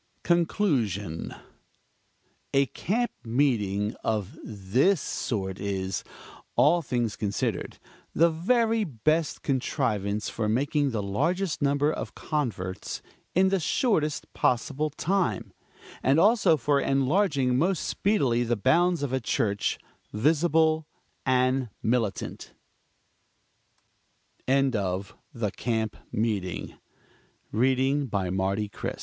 CONCLUSION A camp meeting of this sort is, all things considered, the very best contrivance for making the largest number of converts in the shortest possible time; and also for enlarging most speedily the bounds of a Church Visible and Militant. A RHYME FOR CHRISTMAS BY JOHN CHALLING Pub